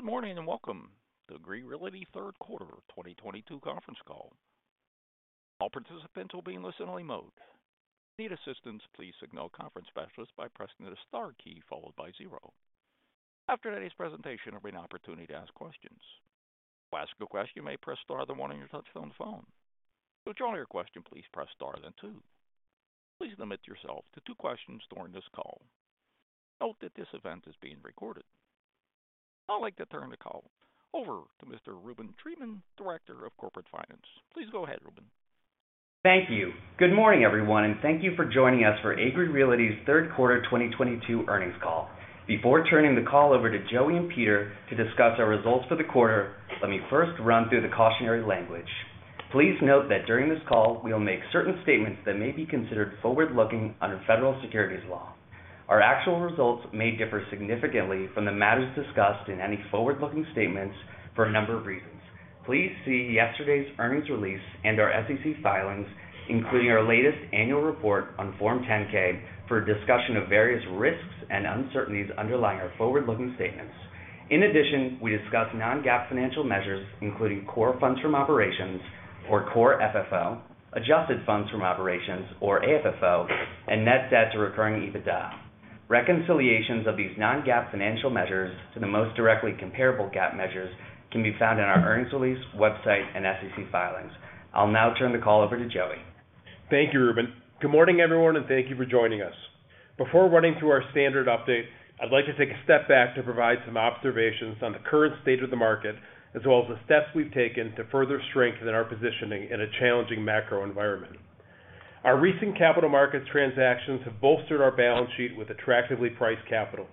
Good morning, and welcome to Agree Realty Q3 2022 conference call. All participants will be in listen-only mode. If you need assistance, please signal a conference specialist by pressing the star key followed by zero. After today's presentation, there'll be an opportunity to ask questions. To ask a question, you may press star then one on your touchtone phone. To withdraw your question, please press star then two. Please limit yourself to two questions during this call. Note that this event is being recorded. I'd like to turn the call over to Mr. Reuben Treatman, Director of Corporate Finance. Please go ahead, Reuben. Thank you. Good morning, everyone, and thank you for joining us for Agree Realty's Q3 2022 earnings call. Before turning the call over to Joey and Peter to discuss our results for the quarter, let me first run through the cautionary language. Please note that during this call, we will make certain statements that may be considered forward-looking under federal securities law. Our actual results may differ significantly from the matters discussed in any forward-looking statements for a number of reasons. Please see yesterday's earnings release and our SEC filings, including our latest annual report on Form 10-K for a discussion of various risks and uncertainties underlying our forward-looking statements. In addition, we discuss non-GAAP financial measures, including core funds from operations or core FFO, adjusted funds from operations or AFFO, and net debt to recurring EBITDA. Reconciliations of these non-GAAP financial measures to the most directly comparable GAAP measures can be found in our earnings release, website, and SEC filings. I'll now turn the call over to Joey. Thank you, Reuben. Good morning, everyone, and thank you for joining us. Before running through our standard update, I'd like to take a step back to provide some observations on the current state of the market, as well as the steps we've taken to further strengthen our positioning in a challenging macro environment. Our recent capital markets transactions have bolstered our balance sheet with attractively priced capital.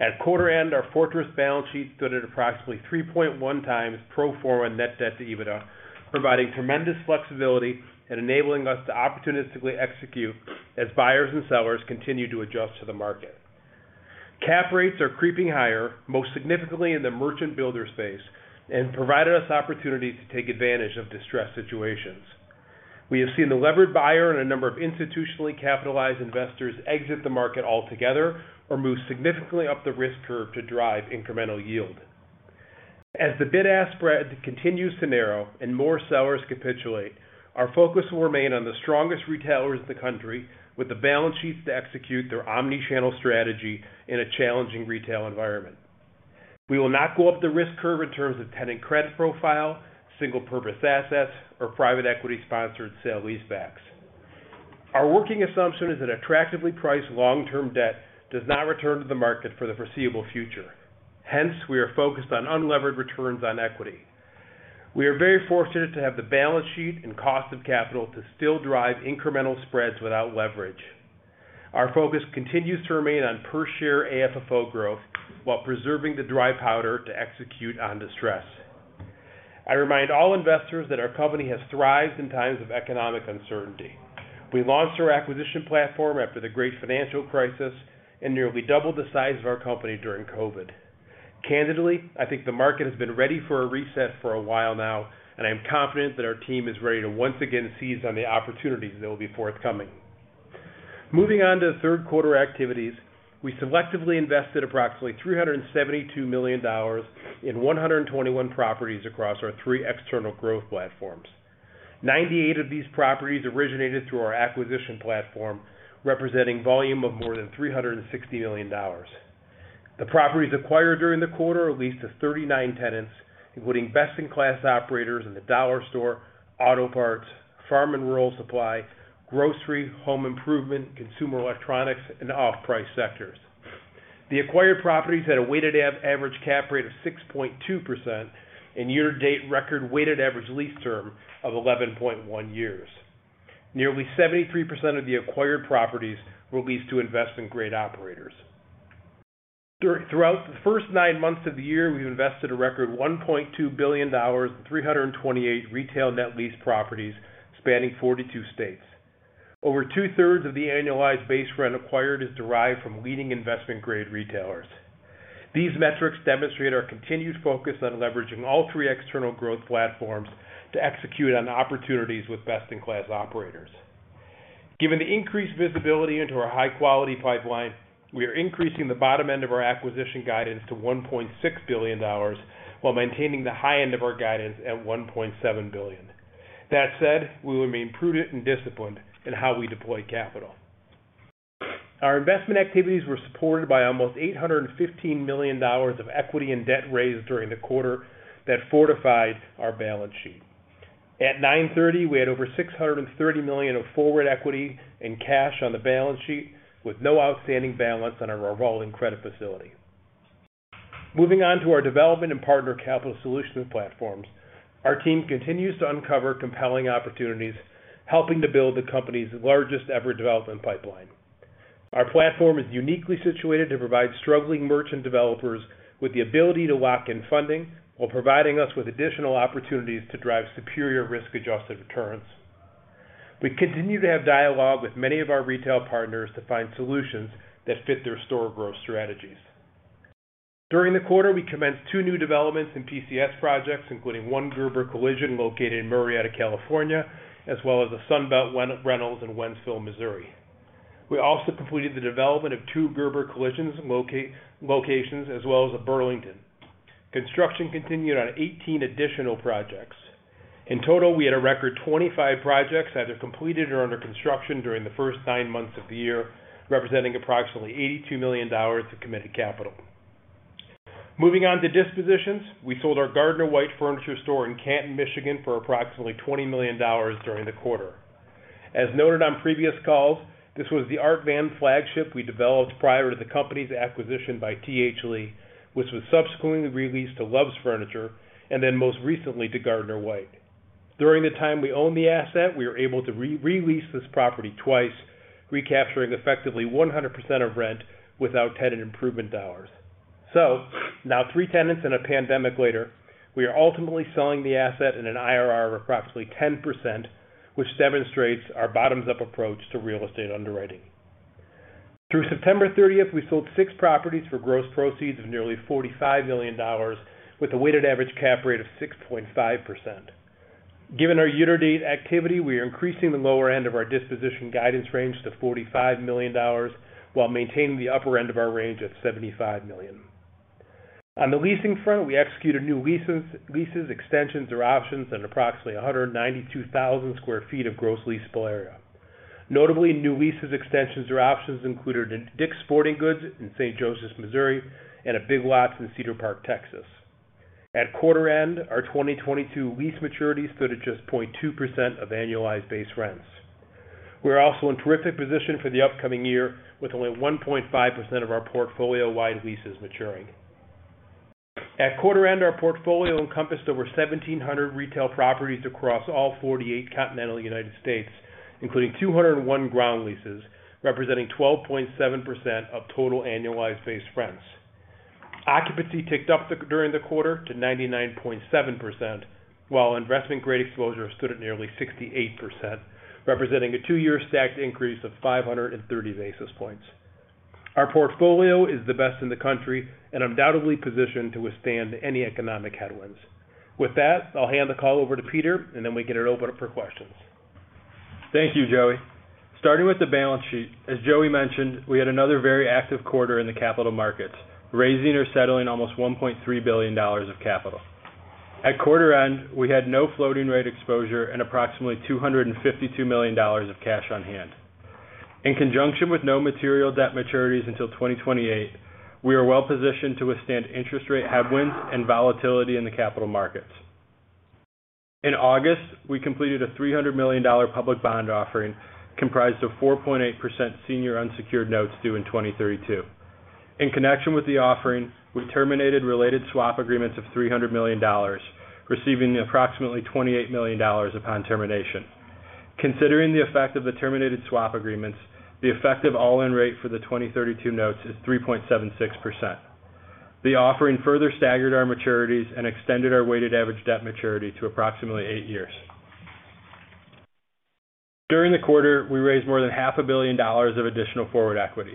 At quarter end, our fortress balance sheet stood at approximately 3.1x pro forma net debt to EBITDA, providing tremendous flexibility and enabling us to opportunistically execute as buyers and sellers continue to adjust to the market. Cap rates are creeping higher, most significantly in the merchant builder space, and provided us opportunities to take advantage of distressed situations. We have seen the levered buyer and a number of institutionally capitalized investors exit the market altogether or move significantly up the risk curve to drive incremental yield. As the bid-ask spread continues to narrow and more sellers capitulate, our focus will remain on the strongest retailers in the country with the balance sheets to execute their omnichannel strategy in a challenging retail environment. We will not go up the risk curve in terms of tenant credit profile, single purpose assets, or private equity-sponsored sale-leasebacks. Our working assumption is that attractively priced long-term debt does not return to the market for the foreseeable future. Hence, we are focused on unlevered returns on equity. We are very fortunate to have the balance sheet and cost of capital to still drive incremental spreads without leverage. Our focus continues to remain on per share AFFO growth while preserving the dry powder to execute on distress. I remind all investors that our company has thrived in times of economic uncertainty. We launched our acquisition platform after the great financial crisis and nearly doubled the size of our company during COVID. Candidly, I think the market has been ready for a reset for a while now, and I am confident that our team is ready to once again seize on the opportunities that will be forthcoming. Moving on to Q3 activities, we selectively invested approximately $372 million in 121 properties across our three external growth platforms. 98 of these properties originated through our acquisition platform, representing volume of more than $360 million. The properties acquired during the quarter are leased to 39 tenants, including best-in-class operators in the dollar store, auto parts, farm and rural supply, grocery, home improvement, consumer electronics, and off-price sectors. The acquired properties had a weighted average cap rate of 6.2% and year-to-date record weighted average lease term of 11.1 years. Nearly 73% of the acquired properties were leased to investment-grade operators. Throughout the first nine months of the year, we've invested a record $1.2 billion in 328 retail net lease properties spanning 42 states. Over two-thirds of the annualized base rent acquired is derived from leading investment-grade retailers. These metrics demonstrate our continued focus on leveraging all three external growth platforms to execute on opportunities with best-in-class operators. Given the increased visibility into our high-quality pipeline, we are increasing the bottom end of our acquisition guidance to $1.6 billion while maintaining the high end of our guidance at $1.7 billion. That said, we will remain prudent and disciplined in how we deploy capital. Our investment activities were supported by almost $815 million of equity and debt raised during the quarter that fortified our balance sheet. At 9/30, we had over $630 million of forward equity and cash on the balance sheet with no outstanding balance on our revolving credit facility. Moving on to our development and partner capital solution platforms, our team continues to uncover compelling opportunities, helping to build the company's largest ever development pipeline. Our platform is uniquely situated to provide struggling merchant developers with the ability to lock in funding while providing us with additional opportunities to drive superior risk-adjusted returns. We continue to have dialogue with many of our retail partners to find solutions that fit their store growth strategies. During the quarter, we commenced two new developments in PCS projects, including one Gerber Collision located in Murrieta, California, as well as a Sunbelt Rentals in Wentzville, Missouri. We also completed the development of two Gerber Collisions locations, as well as a Burlington. Construction continued on 18 additional projects. In total, we had a record 25 projects either completed or under construction during the first nine months of the year, representing approximately $82 million of committed capital. Moving on to dispositions. We sold our Gardner-White furniture store in Canton, Michigan, for approximately $20 million during the quarter. As noted on previous calls, this was the Art Van flagship we developed prior to the company's acquisition by Thomas H. Lee Partners, which was subsequently re-leased to Loves Furniture & Mattresses and then most recently to Gardner-White Furniture. During the time we owned the asset, we were able to re-release this property twice, recapturing effectively 100% of rent without tenant improvement dollars. Now three tenants and a pandemic later, we are ultimately selling the asset at an IRR of approximately 10%, which demonstrates our bottoms-up approach to real estate underwriting. Through September 30, we sold six properties for gross proceeds of nearly $45 million, with a weighted average cap rate of 6.5%. Given our year-to-date activity, we are increasing the lower end of our disposition guidance range to $45 million while maintaining the upper end of our range at $75 million. On the leasing front, we executed new leases extensions or options on approximately 192,000 sq ft of gross leasable area. Notably, new leases, extensions or options included in Dick's Sporting Goods in Saint Joseph, Missouri, and a Big Lots in Cedar Park, Texas. At quarter end, our 2022 lease maturities stood at just 0.2% of annualized base rents. We are also in terrific position for the upcoming year, with only 1.5% of our portfolio-wide leases maturing. At quarter end, our portfolio encompassed over 1,700 retail properties across all 48 continental United States, including 201 ground leases, representing 12.7% of total annualized base rents. Occupancy ticked up during the quarter to 99.7%, while investment-grade exposure stood at nearly 68%, representing a two-year stacked increase of 530 basis points. Our portfolio is the best in the country and undoubtedly positioned to withstand any economic headwinds. With that, I'll hand the call over to Peter, and then we can open it up for questions. Thank you, Joey. Starting with the balance sheet, as Joey mentioned, we had another very active quarter in the capital markets, raising or settling almost $1.3 billion of capital. At quarter end, we had no floating rate exposure and approximately $252 million of cash on hand. In conjunction with no material debt maturities until 2028, we are well positioned to withstand interest rate headwinds and volatility in the capital markets. In August, we completed a $300 million public bond offering comprised of 4.8% senior unsecured notes due in 2032. In connection with the offering, we terminated related swap agreements of $300 million, receiving approximately $28 million upon termination. Considering the effect of the terminated swap agreements, the effective all-in rate for the 2032 notes is 3.76%. The offering further staggered our maturities and extended our weighted average debt maturity to approximately eight years. During the quarter, we raised more than half a billion dollars of additional forward equity.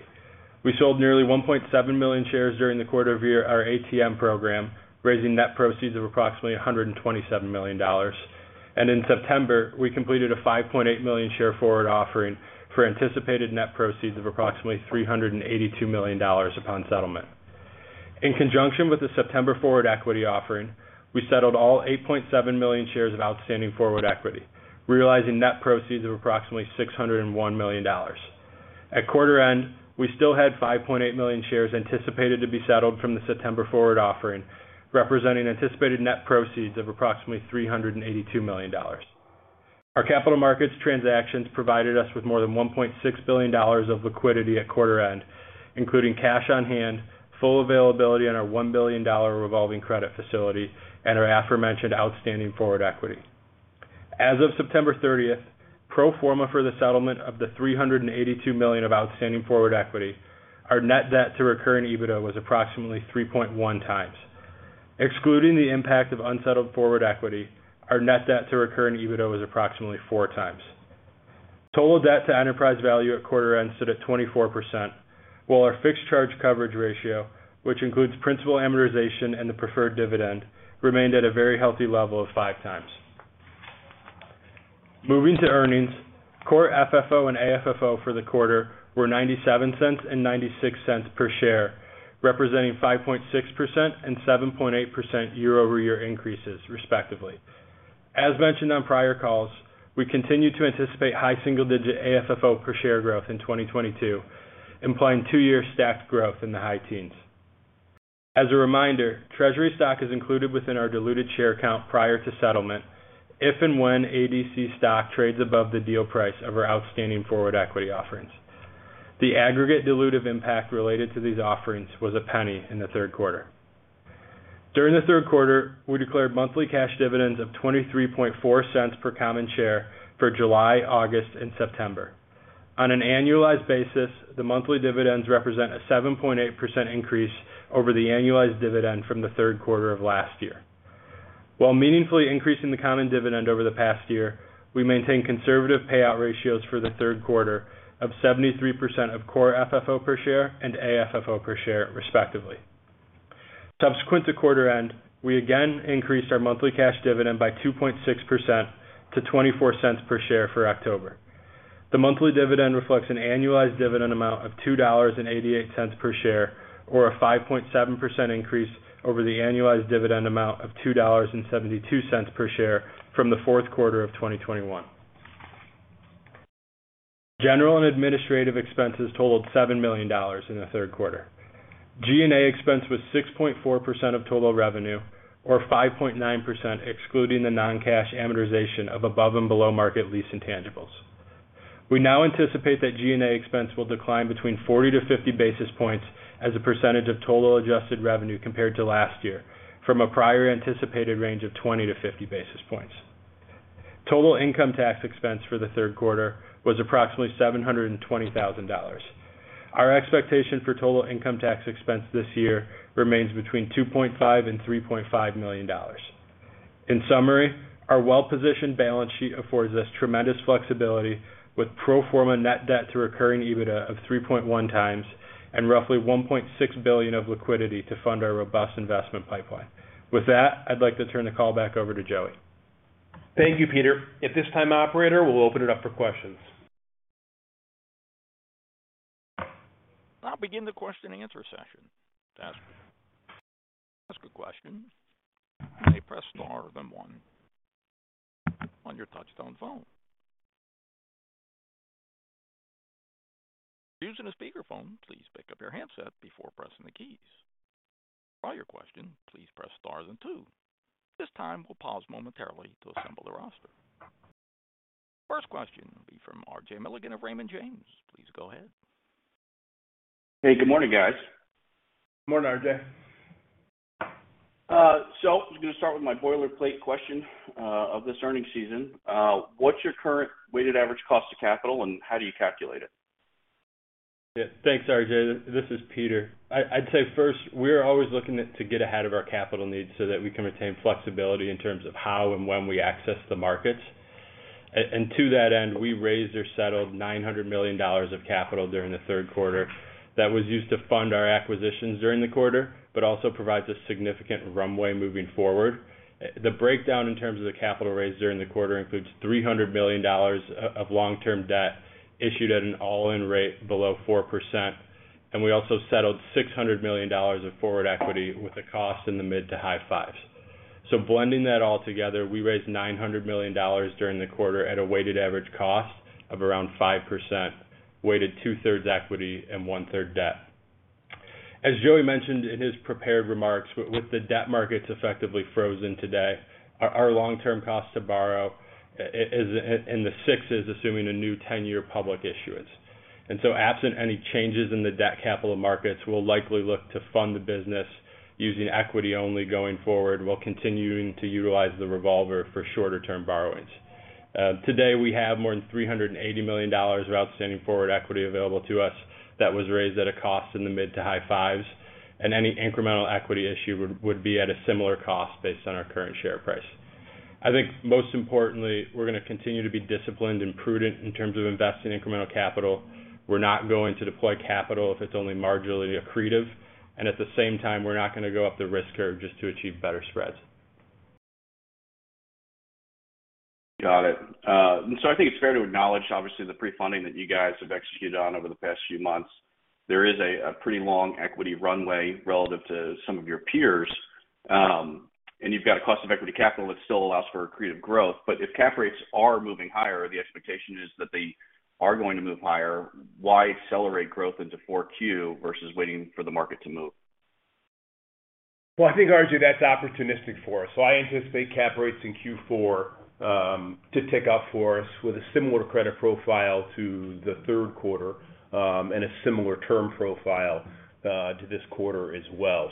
We sold nearly 1.7 million shares during the quarter under our ATM program, raising net proceeds of approximately $127 million. In September, we completed a 5.8 million share forward offering for anticipated net proceeds of approximately $382 million upon settlement. In conjunction with the September forward equity offering, we settled all 8.7 million shares of outstanding forward equity, realizing net proceeds of approximately $601 million. At quarter end, we still had 5.8 million shares anticipated to be settled from the September forward offering, representing anticipated net proceeds of approximately $382 million. Our capital markets transactions provided us with more than $1.6 billion of liquidity at quarter end, including cash on hand, full availability on our $1 billion revolving credit facility, and our aforementioned outstanding forward equity. As of September 30, pro forma for the settlement of the $382 million of outstanding forward equity, our net debt to recurring EBITDA was approximately 3.1x. Excluding the impact of unsettled forward equity, our net debt to recurring EBITDA was approximately 4x. Total debt to enterprise value at quarter end stood at 24%, while our fixed charge coverage ratio, which includes principal amortization and the preferred dividend, remained at a very healthy level of 5x. Moving to earnings, Core FFO and AFFO for the quarter were $0.97 and $0.96 per share, representing 5.6% and 7.8% year-over-year increases, respectively. As mentioned on prior calls, we continue to anticipate high single-digit AFFO per share growth in 2022, implying two-year stacked growth in the high teens. As a reminder, treasury stock is included within our diluted share count prior to settlement if and when ADC stock trades above the deal price of our outstanding forward equity offerings. The aggregate dilutive impact related to these offerings was $0.01 in the Q3. During the Q3, we declared monthly cash dividends of $0.234 per common share for July, August, and September. On an annualized basis, the monthly dividends represent a 7.8% increase over the annualized dividend from the Q3 of last year. While meaningfully increasing the common dividend over the past year, we maintained conservative payout ratios for the Q3 of 73% of Core FFO per share and AFFO per share, respectively. Subsequent to quarter end, we again increased our monthly cash dividend by 2.6% to $0.24 per share for October. The monthly dividend reflects an annualized dividend amount of $2.88 per share, or a 5.7% increase over the annualized dividend amount of $2.72 per share from the Q4 of 2021. General and administrative expenses totaled $7 million in the Q3. G&A expense was 6.4% of total revenue, or 5.9% excluding the non-cash amortization of above and below market lease intangibles. We now anticipate that G&A expense will decline between 40-50 basis points as a percentage of total adjusted revenue compared to last year, from a prior anticipated range of 20-50 basis points. Total income tax expense for the Q3 was approximately $720,000. Our expectation for total income tax expense this year remains between $2.5-$3.5 million. In summary, our well-positioned balance sheet affords us tremendous flexibility with pro forma net debt to recurring EBITDA of 3.1x and roughly $1.6 billion of liquidity to fund our robust investment pipeline. With that, I'd like to turn the call back over to Joey. Thank you, Peter. At this time, operator, we'll open it up for questions. I'll begin the question and answer session. To ask a question, please press star, then one on your touchtone phone. If you're using a speakerphone, please pick up your handset before pressing the keys. To withdraw your question, please press star two. At this time, we'll pause momentarily to assemble the roster. First question will be from RJ Milligan of Raymond James. Please go ahead. Hey, good morning, guys. Morning, RJ. I'm gonna start with my boilerplate question of this earnings season. What's your current weighted average cost of capital, and how do you calculate it? Yeah. Thanks, RJ. This is Peter. I'd say first, we're always looking to get ahead of our capital needs so that we can retain flexibility in terms of how and when we access the markets. And to that end, we raised or settled $900 million of capital during the Q3 that was used to fund our acquisitions during the quarter, but also provides a significant runway moving forward. The breakdown in terms of the capital raise during the quarter includes $300 million of long-term debt issued at an all-in rate below 4%, and we also settled $600 million of forward equity with a cost in the mid- to high-5s. Blending that all together, we raised $900 million during the quarter at a weighted average cost of around 5%, weighted two-thirds equity and one-third debt. As Joey mentioned in his prepared remarks, with the debt markets effectively frozen today, our long-term cost to borrow is in the sixes assuming a new ten-year public issuance. Absent any changes in the debt capital markets, we'll likely look to fund the business using equity only going forward. We'll continue to utilize the revolver for shorter term borrowings. Today, we have more than $380 million of outstanding forward equity available to us that was raised at a cost in the mid- to high fives, and any incremental equity issue would be at a similar cost based on our current share price. I think most importantly, we're gonna continue to be disciplined and prudent in terms of investing incremental capital. We're not going to deploy capital if it's only marginally accretive. at the same time, we're not gonna go up the risk curve just to achieve better spreads. Got it. So I think it's fair to acknowledge, obviously, the pre-funding that you guys have executed on over the past few months. There is a pretty long equity runway relative to some of your peers. You've got a cost of equity capital that still allows for accretive growth. If cap rates are moving higher, the expectation is that they are going to move higher, why accelerate growth into 4Q versus waiting for the market to move? Well, I think, RJ, that's opportunistic for us. I anticipate cap rates in Q4 to tick up for us with a similar credit profile to the Q3 and a similar term profile to this quarter as well.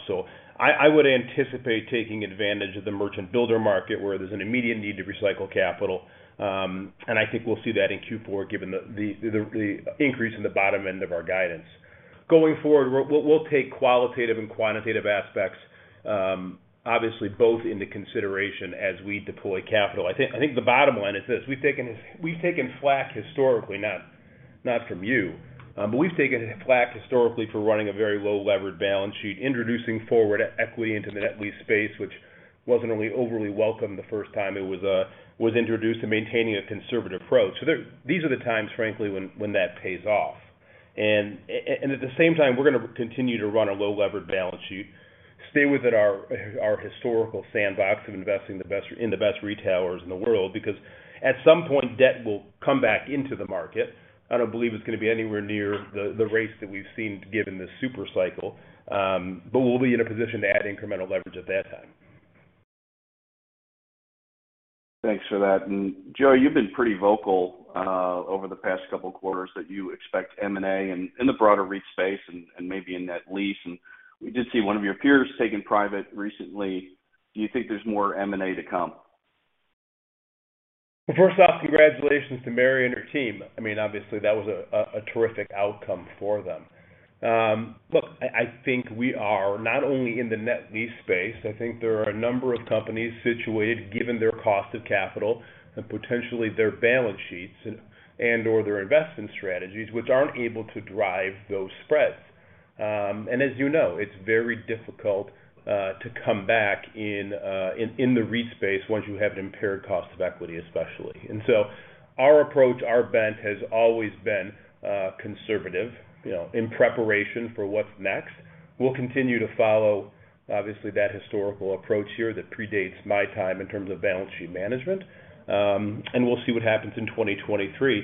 I would anticipate taking advantage of the merchant builder market, where there's an immediate need to recycle capital. I think we'll see that in Q4, given the increase in the bottom end of our guidance. Going forward, we'll take qualitative and quantitative aspects, obviously both into consideration as we deploy capital. I think the bottom line is this: we've taken flak historically, not from you, but we've taken flak historically for running a very low-levered balance sheet, introducing forward equity into the net lease space, which wasn't really overly welcome the first time it was introduced and maintaining a conservative approach. These are the times, frankly, when that pays off. At the same time, we're gonna continue to run a low-levered balance sheet, stay within our historical sandbox of investing in the best retailers in the world, because at some point, debt will come back into the market. I don't believe it's gonna be anywhere near the rates that we've seen given this super cycle, but we'll be in a position to add incremental leverage at that time. Thanks for that. Joey, you've been pretty vocal over the past couple of quarters that you expect M&A in the broader REIT space and maybe in net lease. We did see one of your peers taken private recently. Do you think there's more M&A to come? First off, congratulations to Mary and her team. I mean, obviously that was a terrific outcome for them. Look, I think we are not only in the net lease space, I think there are a number of companies situated, given their cost of capital and potentially their balance sheets and/or their investment strategies, which aren't able to drive those spreads. As you know, it's very difficult to come back in the REIT space once you have an impaired cost of equity, especially. Our approach, our bent, has always been conservative, you know, in preparation for what's next. We'll continue to follow, obviously, that historical approach here that predates my time in terms of balance sheet management. We'll see what happens in 2023.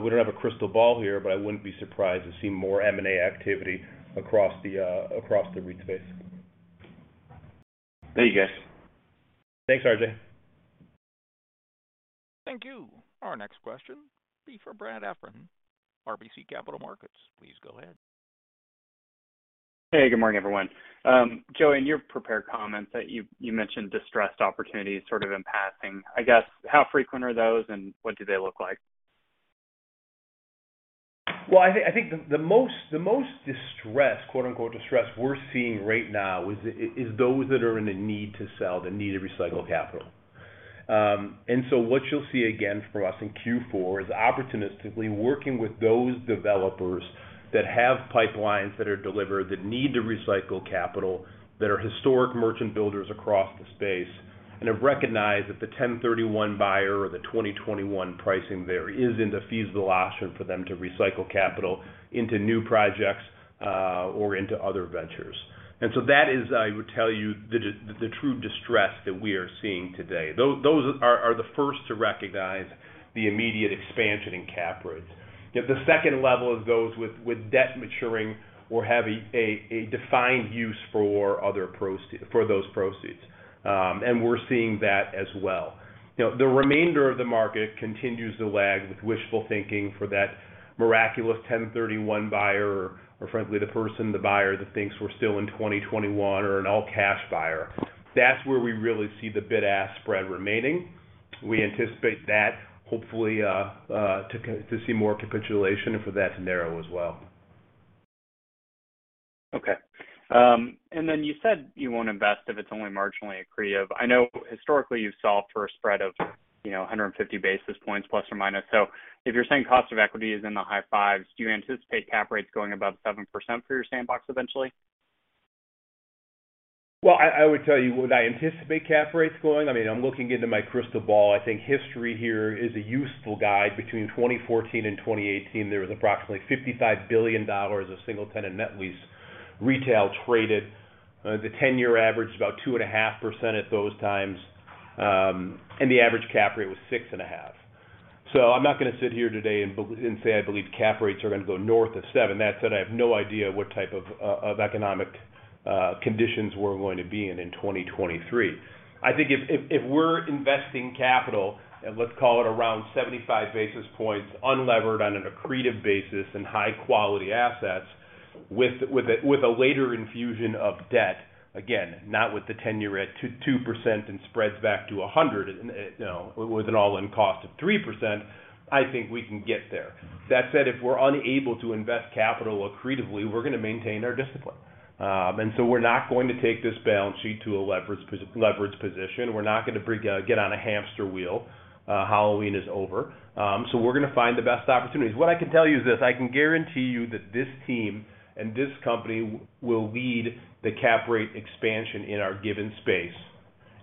We don't have a crystal ball here, but I wouldn't be surprised to see more M&A activity across the REIT space. Thank you, guys. Thanks, RJ. Thank you. Our next question will be for Brad Heffern, RBC Capital Markets. Please go ahead. Hey, good morning, everyone. Joey, in your prepared comments that you mentioned distressed opportunities sort of in passing. I guess, how frequent are those, and what do they look like? Well, I think the most distressed, quote-unquote distressed we're seeing right now is those that are in a need to sell, that need to recycle capital. What you'll see again from us in Q4 is opportunistically working with those developers that have pipelines that are delivered, that need to recycle capital, that are historic merchant builders across the space, and have recognized that the 1031 exchange buyer or the 2021 pricing there isn't a feasible option for them to recycle capital into new projects, or into other ventures. That is, I would tell you, the true distress that we are seeing today. Those are the first to recognize the immediate expansion in cap rates. Yet the second level is those with debt maturing or have a defined use for those proceeds. We're seeing that as well. You know, the remainder of the market continues to lag with wishful thinking for that miraculous 1031 exchange buyer or frankly, the person, the buyer that thinks we're still in 2021 or an all cash buyer. That's where we really see the bid-ask spread remaining. We anticipate that hopefully to see more capitulation and for that to narrow as well. You said you won't invest if it's only marginally accretive. I know historically you've solved for a spread of 150 basis points plus or minus. If you're saying cost of equity is in the high 5s, do you anticipate cap rates going above 7% for your sandbox eventually? I would tell you, would I anticipate cap rates going? I mean, I'm looking into my crystal ball. I think history here is a useful guide. Between 2014 and 2018, there was approximately $55 billion of single-tenant net lease retail traded. The ten-year average, about 2.5% at those times, and the average cap rate was 6.5. I'm not gonna sit here today and say I believe cap rates are gonna go north of seven. That said, I have no idea what type of economic conditions we're going to be in in 2023. I think if we're investing capital, and let's call it around 75 basis points, unlevered on an accretive basis and high-quality assets with a later infusion of debt, again, not with the 10-year at 2% and spreads back to 100, no, with an all-in cost of 3%, I think we can get there. That said, if we're unable to invest capital accretively, we're gonna maintain our discipline. We're not going to take this balance sheet to a leveraged position. We're not gonna get on a hamster wheel. Halloween is over. We're gonna find the best opportunities. What I can tell you is this: I can guarantee you that this team and this company will lead the cap rate expansion in our given space,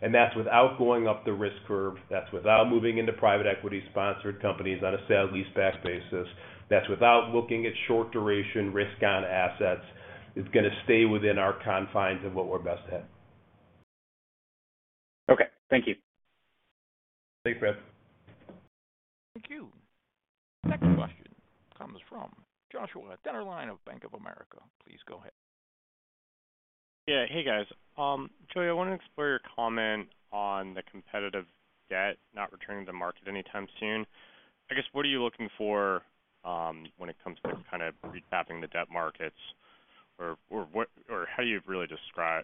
and that's without going up the risk curve. That's without moving into private equity-sponsored companies on a sale-leaseback basis. That's without looking at short duration risk-on assets. It's gonna stay within our confines of what we're best at. Okay. Thank you. Thanks, Brad Heffern. Thank you. Next question comes from Joshua Dennerlein of Bank of America. Please go ahead. Yeah. Hey, guys. Joey, I wanna explore your comment on the competitive debt not returning to the market anytime soon. I guess, what are you looking for when it comes to kind of retapping the debt markets? Or, how do you really describe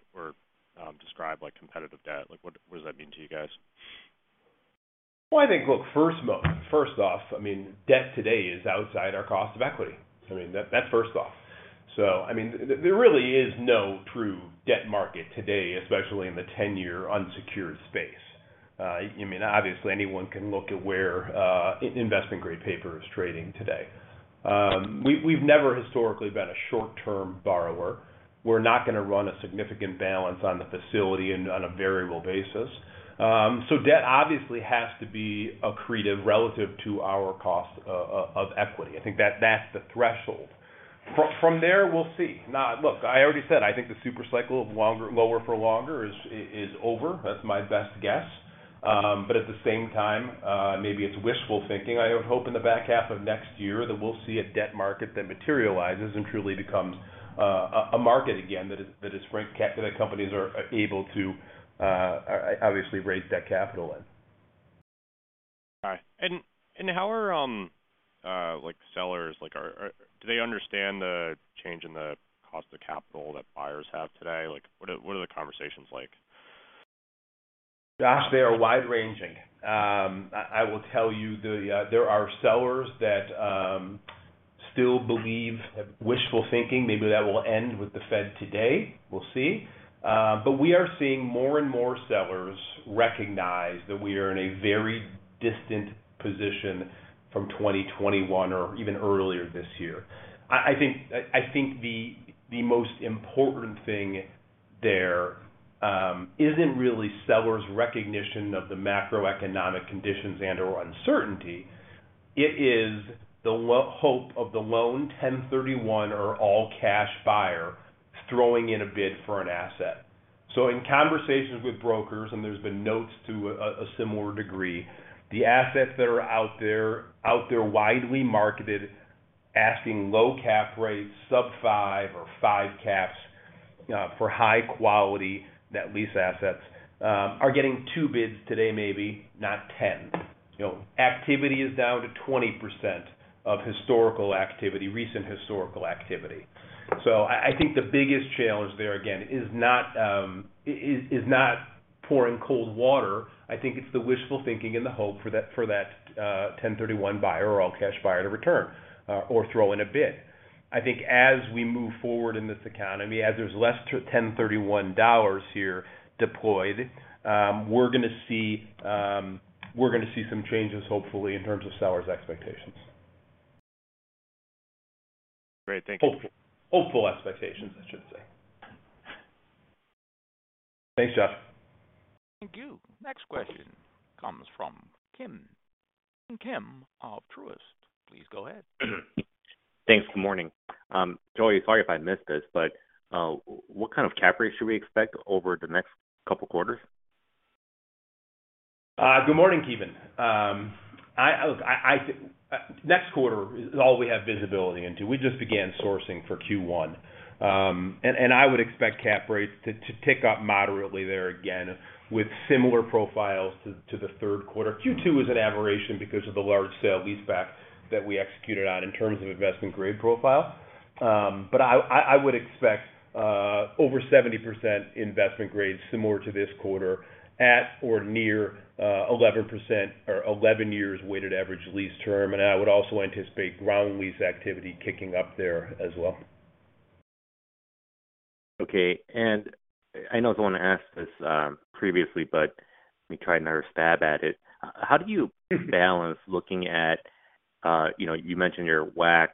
like competitive debt? Like, what does that mean to you guys? Well, I think, look, first off, I mean, debt today is outside our cost of equity. I mean, that's first off. I mean, there really is no true debt market today, especially in the ten-year unsecured space. I mean, obviously anyone can look at where investment-grade paper is trading today. We've never historically been a short-term borrower. We're not gonna run a significant balance on the facility and on a variable basis. So debt obviously has to be accretive relative to our cost of equity. I think that's the threshold. From there, we'll see. Now, look, I already said I think the super cycle of lower for longer is over. That's my best guess. At the same time, maybe it's wishful thinking. I would hope in the back half of next year that we'll see a debt market that materializes and truly becomes a market again that companies are able to obviously raise that capital in. All right. Do they understand the change in the cost of capital that buyers have today? Like, what are the conversations like? Josh, they are wide-ranging. I will tell you there are sellers that still believe wishful thinking. Maybe that will end with the Fed today. We'll see. But we are seeing more and more sellers recognize that we are in a very distant position from 2021 or even earlier this year. I think the most important thing there isn't really sellers' recognition of the macroeconomic conditions and/or uncertainty. It is the low hope of the 1031 or all-cash buyer throwing in a bid for an asset. In conversations with brokers, and there's been notes to a similar degree, the assets that are out there widely marketed, asking low cap rates, sub 5% or 5% caps, for high quality net lease assets, are getting two bids today, maybe not 10. You know, activity is down to 20% of historical activity, recent historical activity. I think the biggest challenge there, again, is not pouring cold water. I think it's the wishful thinking and the hope for that 1031 buyer or all-cash buyer to return, or throw in a bid. I think as we move forward in this economy, as there's less 1031 dollars here deployed, we're gonna see some changes, hopefully, in terms of sellers' expectations. Great. Thank you. Hopeful expectations, I should say. Thanks, Josh. Thank you. Next question comes from Ki Bin Kim of Truist, please go ahead. Thanks. Good morning. Joey, sorry if I missed this, but, what kind of cap rate should we expect over the next couple quarters? Good morning, Ki Bin. Look, I think next quarter is all we have visibility into. We just began sourcing for Q1. I would expect cap rates to tick up moderately there again with similar profiles to the Q3. Q2 was an aberration because of the large sale-leaseback that we executed on in terms of investment grade profile. I would expect over 70% investment grade similar to this quarter at or near 11% or 11 years weighted average lease term. I would also anticipate ground lease activity kicking up there as well. Okay. I know someone asked this previously, but let me try another stab at it. How do you balance looking at, you know, you mentioned your WACC,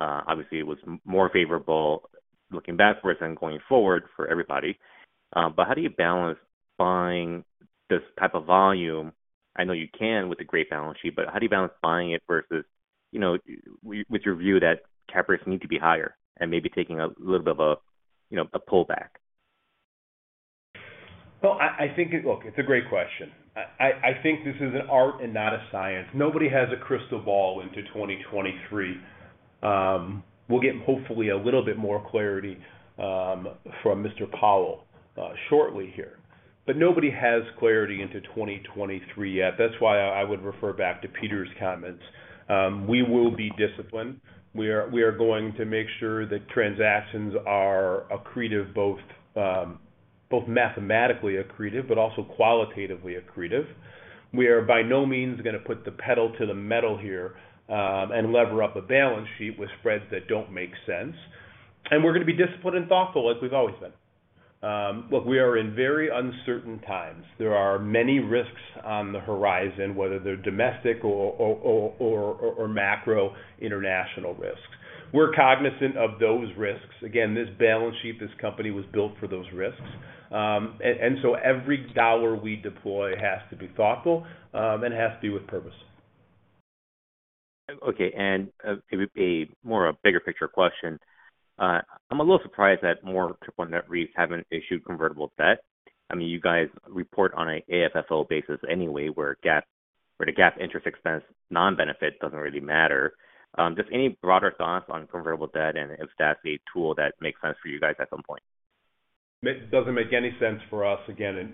obviously it was more favorable looking backwards than going forward for everybody. How do you balance buying this type of volume? I know you can with a great balance sheet, but how do you balance buying it versus, you know, with your view that cap rates need to be higher and maybe taking a little bit of a, you know, a pullback? I think it. Look, it's a great question. I think this is an art and not a science. Nobody has a crystal ball into 2023. We'll get hopefully a little bit more clarity from Mr. Powell shortly here. Nobody has clarity into 2023 yet. That's why I would refer back to Peter's comments. We will be disciplined. We are going to make sure that transactions are accretive both mathematically accretive, but also qualitatively accretive. We are by no means gonna put the pedal to the metal here and lever up a balance sheet with spreads that don't make sense. We're gonna be disciplined and thoughtful as we've always been. Look, we are in very uncertain times. There are many risks on the horizon, whether they're domestic or macro international risks. We're cognizant of those risks. Again, this balance sheet, this company was built for those risks. Every dollar we deploy has to be thoughtful, and has to be with purpose. Okay. It would be more a bigger picture question. I'm a little surprised that more triple net REITs haven't issued convertible debt. I mean, you guys report on an AFFO basis anyway, where GAAP or the GAAP interest expense non-benefit doesn't really matter. Just any broader thoughts on convertible debt and if that's a tool that makes sense for you guys at some point? It doesn't make any sense for us. Again,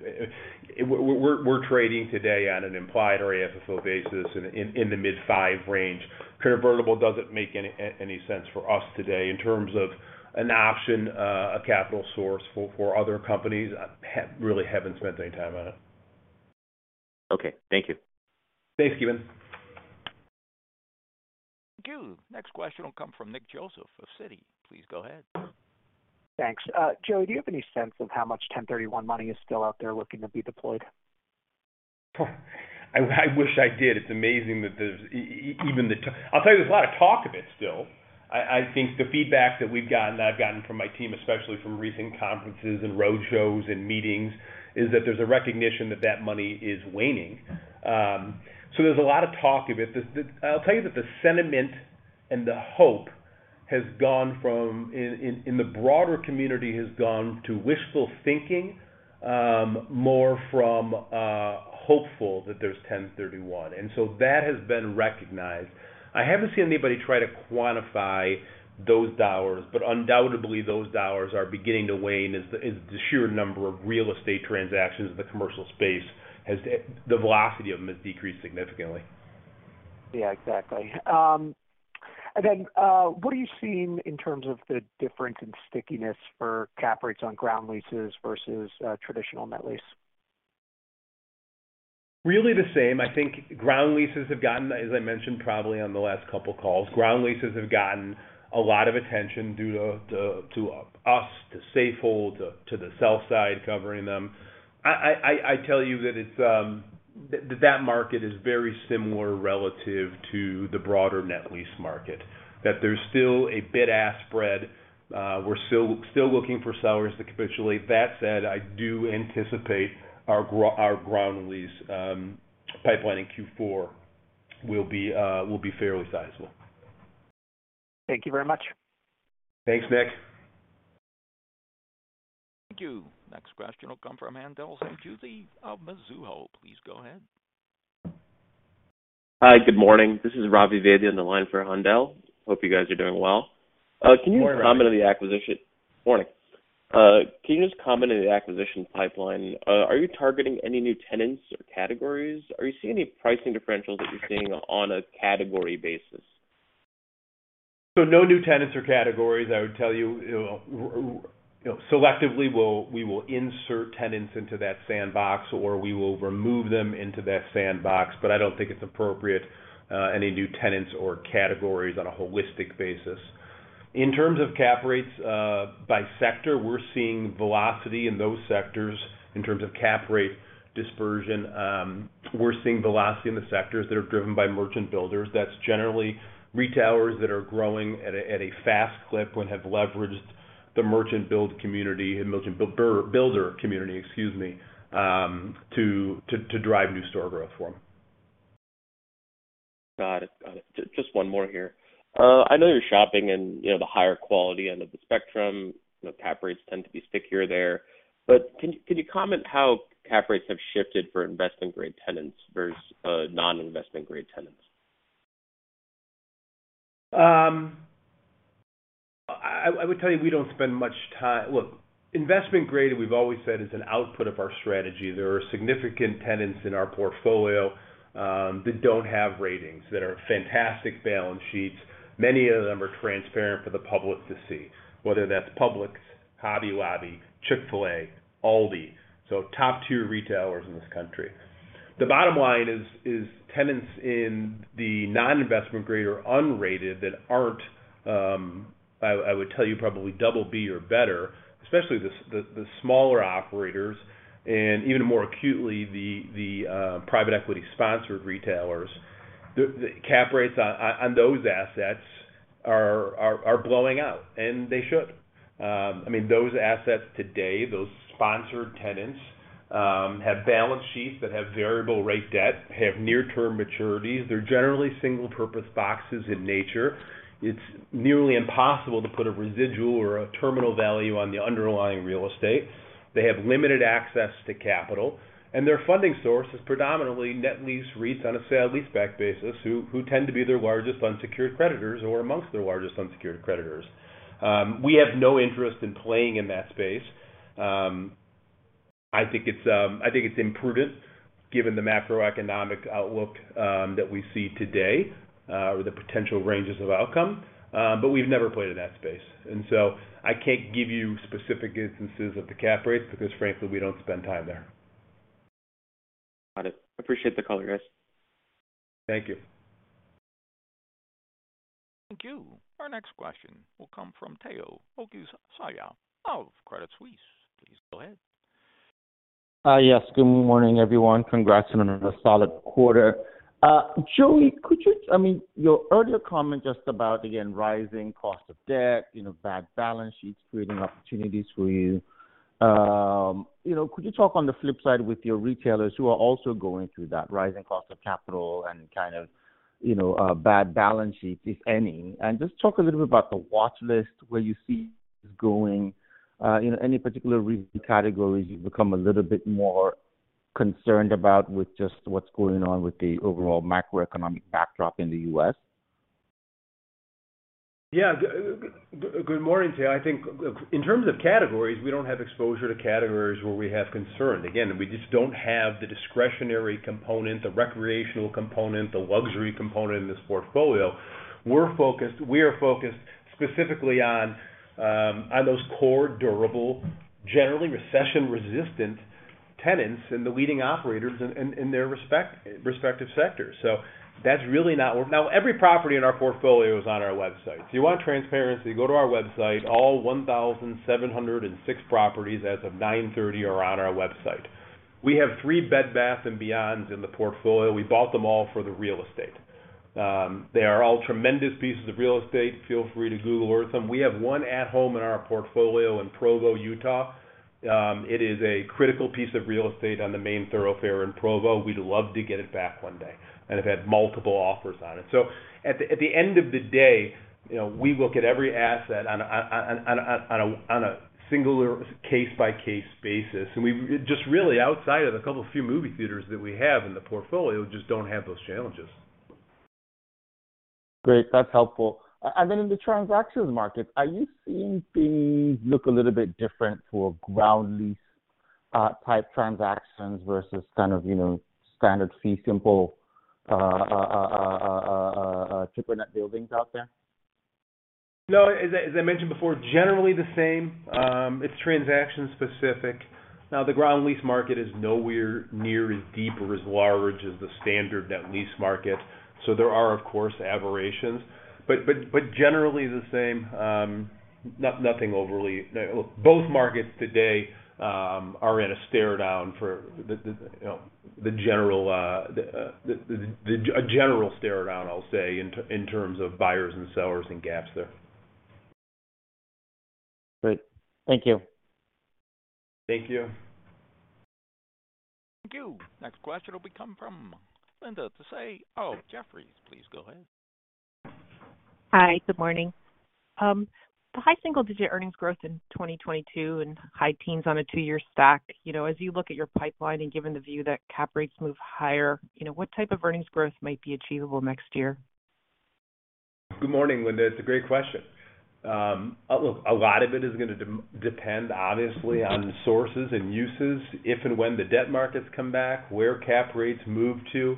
we're trading today on an implied or AFFO basis in the mid five range. Convertible doesn't make any sense for us today. In terms of an option, a capital source for other companies, I really haven't spent any time on it. Okay. Thank you. Thanks, Ki Bin. Thank you. Next question will come from Nick Joseph of Citi. Please go ahead. Thanks. Joey, do you have any sense of how much 1031 exchange money is still out there looking to be deployed? I wish I did. It's amazing. I'll tell you, there's a lot of talk of it still. I think the feedback that we've gotten, that I've gotten from my team, especially from recent conferences and roadshows and meetings, is that there's a recognition that that money is waning. There's a lot of talk of it. I'll tell you that the sentiment and the hope has gone from in the broader community to wishful thinking, more from hopeful that there's 1031 exchange, and so that has been recognized. I haven't seen anybody try to quantify those dollars, but undoubtedly those dollars are beginning to wane as the sheer number of real estate transactions in the commercial space, the velocity of them has decreased significantly. Yeah, exactly. What are you seeing in terms of the difference in stickiness for cap rates on ground leases versus traditional net lease? Really the same. I think ground leases have gotten, as I mentioned probably on the last couple of calls, ground leases have gotten a lot of attention due to us, to Safehold, to the sell side covering them. I tell you that it's that market is very similar relative to the broader net lease market, that there's still a bid-ask spread. We're still looking for sellers to capitulate. That said, I do anticipate our ground lease pipeline in Q4 will be fairly sizable. Thank you very much. Thanks, Nick. Thank you. Next question will come from a line of Haendel St. Juste of Mizuho. Please go ahead. Hi. Good morning. This is Ravi Vaidya on the line for Haendel St. Juste. Hope you guys are doing well. Good morning, Ravi. Morning. Can you just comment on the acquisition pipeline? Are you targeting any new tenants or categories? Are you seeing any pricing differentials that you're seeing on a category basis? No new tenants or categories. I would tell you, selectively we will insert tenants into that sandbox or we will remove them into that sandbox. I don't think it's appropriate, any new tenants or categories on a holistic basis. In terms of cap rates, by sector, we're seeing velocity in those sectors in terms of cap rate dispersion. We're seeing velocity in the sectors that are driven by merchant builders. That's generally retailers that are growing at a fast clip and have leveraged the merchant build community and merchant builder community to drive new store growth for them. Got it. Just one more here. I know you're shopping in, you know, the higher quality end of the spectrum. You know, cap rates tend to be stickier there. Can you comment how cap rates have shifted for investment-grade tenants versus non-investment-grade tenants? I would tell you, we don't spend much time. Look, investment grade, we've always said, is an output of our strategy. There are significant tenants in our portfolio that don't have ratings, that are fantastic balance sheets. Many of them are transparent for the public to see, whether that's Publix, Hobby Lobby, Chick-fil-A, Aldi, so top-tier retailers in this country. The bottom line is tenants in the non-investment grade or unrated that aren't, I would tell you, probably double B or better, especially the smaller operators and even more acutely the private equity sponsored retailers. The cap rates on those assets are blowing out, and they should. I mean, those assets today, those sponsored tenants have balance sheets that have variable rate debt, have near term maturities. They're generally single-purpose boxes in nature. It's nearly impossible to put a residual or a terminal value on the underlying real estate. They have limited access to capital, and their funding source is predominantly net lease REITs on a sale-leaseback basis, who tend to be their largest unsecured creditors or amongst their largest unsecured creditors. We have no interest in playing in that space. I think it's imprudent given the macroeconomic outlook that we see today or the potential ranges of outcome. We've never played in that space, and so I can't give you specific instances of the cap rates because frankly, we don't spend time there. Got it. Appreciate the color, guys. Thank you. Thank you. Our next question will come from Tayo Okusanya of Credit Suisse. Please go ahead. Yes, good morning, everyone. Congrats on a solid quarter. Joey, I mean, your earlier comment just about, again, rising cost of debt, you know, bad balance sheets creating opportunities for you. You know, could you talk on the flip side with your retailers who are also going through that rising cost of capital and kind of, you know, bad balance sheets, if any? Just talk a little bit about the watchlist, where you see this going. You know, any particular categories you've become a little bit more concerned about with just what's going on with the overall macroeconomic backdrop in the U.S. Good morning, Tayo. I think in terms of categories, we don't have exposure to categories where we have concern. Again, we just don't have the discretionary component, the recreational component, the luxury component in this portfolio. We are focused specifically on those core durable, generally recession-resistant tenants and the leading operators in their respective sectors. So that's really not. Now every property in our portfolio is on our website. If you want transparency, go to our website. All 1,706 properties as of 9/30 are on our website. We have three Bed Bath & Beyonds in the portfolio. We bought them all for the real estate. They are all tremendous pieces of real estate. Feel free to Google Earth them. We have one At Home in our portfolio in Provo, Utah. It is a critical piece of real estate on the main thoroughfare in Provo. We'd love to get it back one day, and have had multiple offers on it. At the end of the day, you know, we look at every asset on a singular case-by-case basis. We just really, outside of the few movie theaters that we have in the portfolio, just don't have those challenges. Great. That's helpful. In the transactions market, are you seeing things look a little bit different for ground lease type transactions versus kind of, you know, standard fee simple triple net buildings out there? No, as I mentioned before, generally the same. It's transaction specific. Now, the ground lease market is nowhere near as deep or as large as the standard net lease market. There are, of course, aberrations. Generally the same. Nothing overly. Look, both markets today are in a general stare down, I'll say, in terms of buyers and sellers and gaps there. Great. Thank you. Thank you. Thank you. Next question will be coming from Linda Tsai of Jefferies. Please go ahead. Hi. Good morning. The high single-digit earnings growth in 2022 and high teens on a two-year stack, you know, as you look at your pipeline and given the view that cap rates move higher, you know, what type of earnings growth might be achievable next year? Good morning, Linda. It's a great question. Look, a lot of it is gonna depend, obviously, on sources and uses, if and when the debt markets come back, where cap rates move to.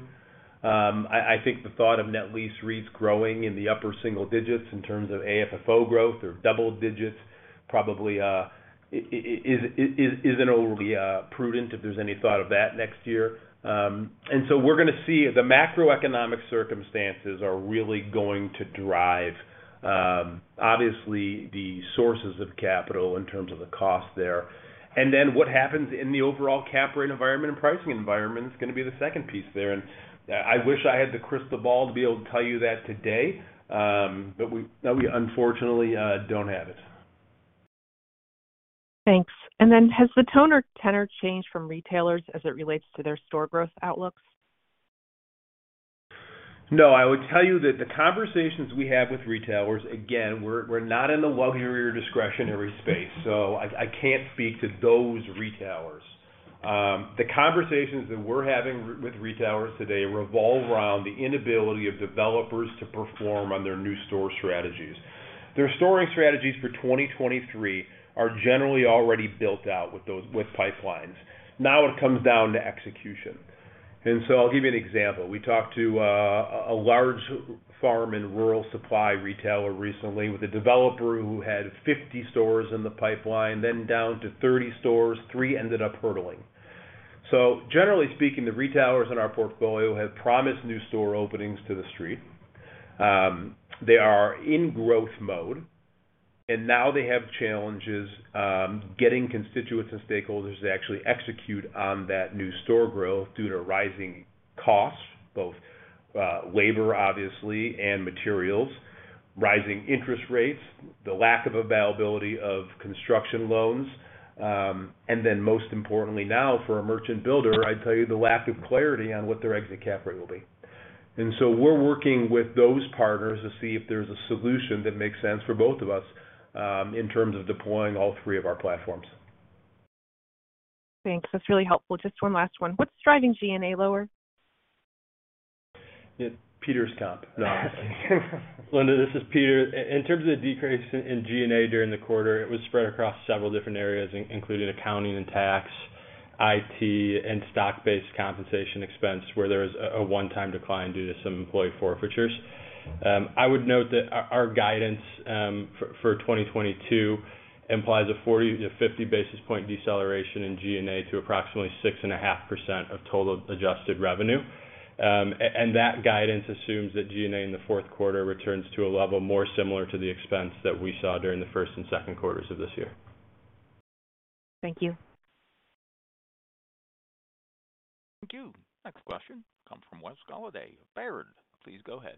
I think the thought of net lease REITs growing in the upper single digits in terms of AFFO growth or double digits probably isn't overly prudent, if there's any thought of that next year. We're gonna see if the macroeconomic circumstances are really going to drive, obviously the sources of capital in terms of the cost there. What happens in the overall cap rate environment and pricing environment is gonna be the second piece there. I wish I had the crystal ball to be able to tell you that today, but we unfortunately don't have it. Thanks. Has the tenor changed from retailers as it relates to their store growth outlooks? No. I would tell you that the conversations we have with retailers, again, we're not in the luxury or discretionary space, so I can't speak to those retailers. The conversations that we're having with retailers today revolve around the inability of developers to perform on their new store strategies. Their store strategies for 2023 are generally already built out with those pipelines. Now it comes down to execution. I'll give you an example. We talked to a large farm and rural supply retailer recently with a developer who had 50 stores in the pipeline, then down to 30 stores, three ended up hurdling. Generally speaking, the retailers in our portfolio have promised new store openings to the street. They are in growth mode, and now they have challenges getting constituents and stakeholders to actually execute on that new store growth due to rising costs, both labor, obviously, and materials, rising interest rates, the lack of availability of construction loans, and then most importantly now for a merchant builder, I'd tell you the lack of clarity on what their exit cap rate will be. We're working with those partners to see if there's a solution that makes sense for both of us in terms of deploying all three of our platforms. Thanks. That's really helpful. Just one last one. What's driving G&A lower? It's Peter's comp. No, Linda, this is Peter. In terms of the decrease in G&A during the quarter, it was spread across several different areas, including accounting and tax, IT, and stock-based compensation expense, where there was a one-time decline due to some employee forfeitures. I would note that our guidance for 2022 implies a 40-50 basis point deceleration in G&A to approximately 6.5% of total adjusted revenue. That guidance assumes that G&A in the Q4 returns to a level more similar to the expense that we saw during the first and Q1s of this year. Thank you. Thank you. Next question comes from Wes Golladay of Baird. Please go ahead.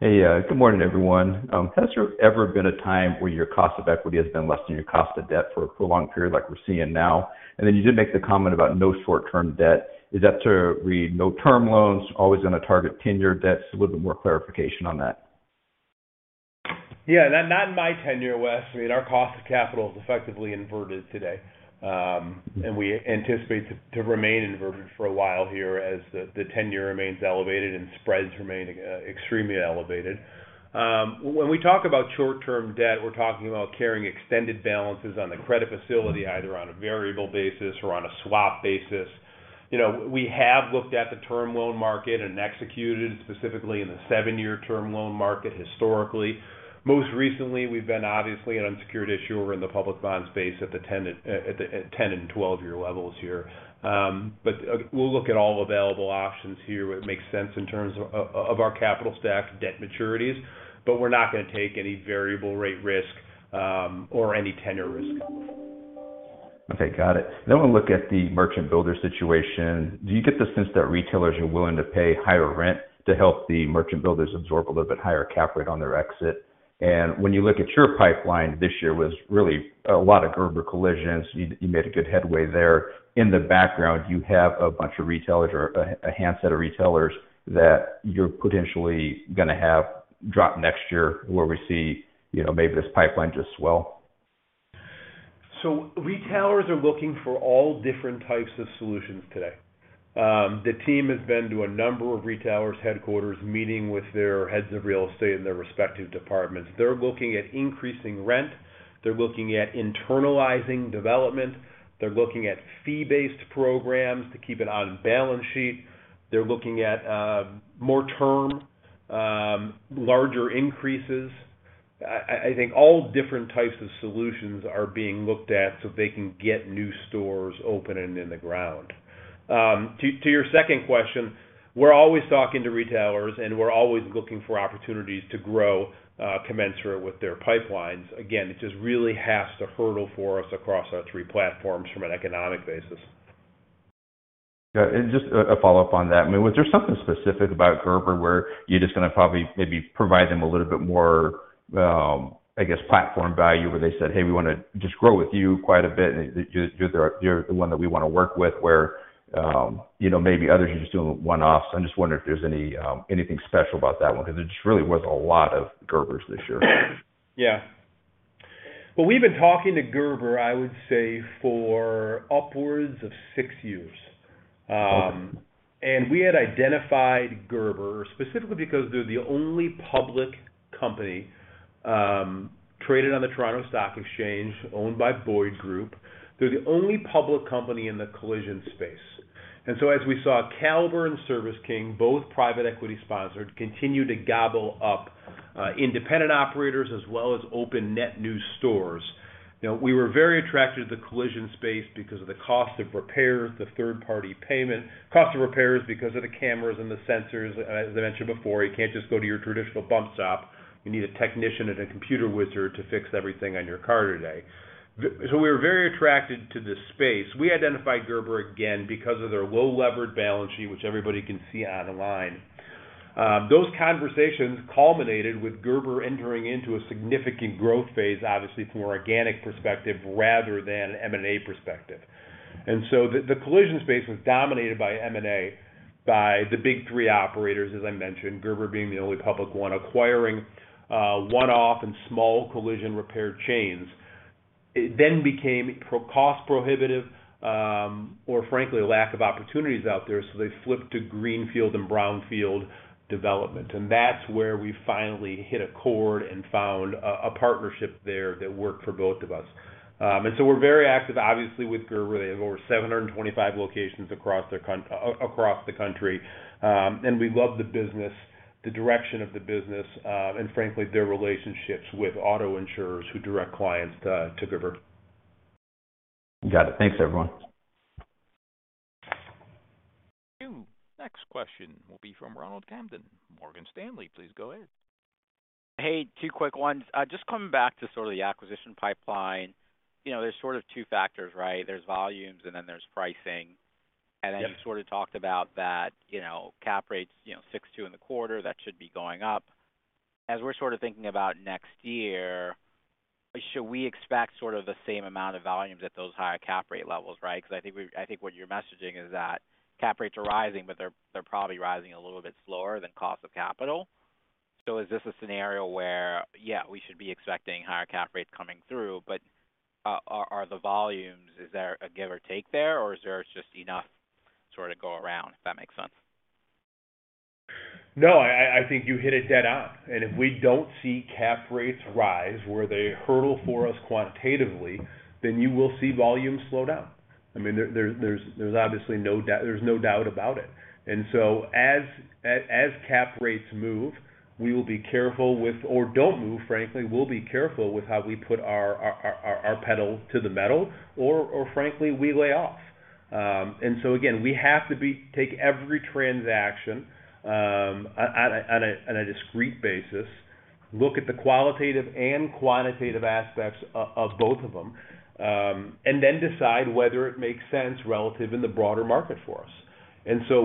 Hey. Good morning, everyone. Has there ever been a time where your cost of equity has been less than your cost of debt for a prolonged period like we're seeing now? You did make the comment about no short-term debt. Is that to read no term loans, always gonna target tenor debt? A little bit more clarification on that. Yeah. Not in my tenure, Wes. I mean, our cost of capital is effectively inverted today. We anticipate to remain inverted for a while here as the tenor remains elevated and spreads remain extremely elevated. When we talk about short-term debt, we're talking about carrying extended balances on the credit facility, either on a variable basis or on a swap basis. You know, we have looked at the term loan market and executed specifically in the seven-year term loan market historically. Most recently, we've been obviously an unsecured issuer in the public bond space at the 10- and 12-year levels here. We'll look at all available options here where it makes sense in terms of our capital stack debt maturities, but we're not gonna take any variable rate risk or any tenor risk. Okay. Got it. I wanna look at the merchant builder situation. Do you get the sense that retailers are willing to pay higher rent to help the merchant builders absorb a little bit higher cap rate on their exit? When you look at your pipeline, this year was really a lot of Gerber Collision. You made a good headway there. In the background, you have a bunch of retailers or a handful of retailers that you're potentially gonna have drop next year, where we see, you know, maybe this pipeline just swell. Retailers are looking for all different types of solutions today. The team has been to a number of retailers' headquarters, meeting with their heads of real estate and their respective departments. They're looking at increasing rent, they're looking at internalizing development, they're looking at fee-based programs to keep it on balance sheet, they're looking at mortgage, larger increases. I think all different types of solutions are being looked at so they can get new stores open and in the ground. To your second question, we're always talking to retailers, and we're always looking for opportunities to grow commensurate with their pipelines. Again, it just really has to hurdle for us across our three platforms from an economic basis. Yeah. Just a follow-up on that. I mean, was there something specific about Gerber where you're just gonna probably maybe provide them a little bit more, I guess, platform value, where they said, "Hey, we wanna just grow with you quite a bit, and you're the one that we wanna work with," where, you know, maybe others are just doing one-offs. I'm just wondering if there's any, anything special about that one 'cause it's really worth a lot of Gerbers this year. Yeah. Well, we've been talking to Gerber, I would say, for upwards of six years. We had identified Gerber specifically because they're the only public company traded on the Toronto Stock Exchange, owned by Boyd Group. They're the only public company in the collision space. As we saw Caliber and Service King, both private equity sponsored, continue to gobble up independent operators as well as open net new stores, you know, we were very attracted to the collision space because of the cost of repairs, the third-party payment. Cost of repairs because of the cameras and the sensors. As I mentioned before, you can't just go to your traditional body shop. You need a technician and a computer wizard to fix everything on your car today. We're very attracted to this space. We identified Gerber again because of their low-levered balance sheet, which everybody can see online. Those conversations culminated with Gerber entering into a significant growth phase, obviously from an organic perspective rather than M&A perspective. The collision space was dominated by M&A by the big three operators, as I mentioned, Gerber being the only public one, acquiring one-off and small collision repair chains. It then became cost prohibitive, or frankly, lack of opportunities out there, so they flipped to greenfield and brownfield development, and that's where we finally hit a chord and found a partnership there that worked for both of us. We're very active, obviously with Gerber. They have over 725 locations across the country. We love the business, the direction of the business, and frankly, their relationships with auto insurers who direct clients to Gerber. Got it. Thanks, everyone. Thank you. Next question will be from Ronald Kamdem, Morgan Stanley. Please go ahead. Hey, two quick ones. Just coming back to sort of the acquisition pipeline. You know, there's sort of two factors, right? There's volumes, and then there's pricing. Yep. Then you sort of talked about that, you know, cap rates, you know, 6.2% in the quarter, that should be going up. As we're sort of thinking about next year, should we expect sort of the same amount of volumes at those higher cap rate levels, right? 'Cause I think what you're messaging is that cap rates are rising, but they're probably rising a little bit slower than cost of capital. So is this a scenario where, yeah, we should be expecting higher cap rates coming through, but are the volumes? Is there a give or take there, or is there just enough sort of go around, if that makes sense? No, I think you hit it dead on. If we don't see cap rates rise, where they hurdle for us quantitatively, then you will see volumes slow down. I mean, there's obviously no doubt about it. As cap rates move or don't move, frankly, we will be careful with how we put our pedal to the metal or, frankly, we lay off. Again, we have to take every transaction on a discrete basis, look at the qualitative and quantitative aspects of both of them, and then decide whether it makes sense relative in the broader market for us.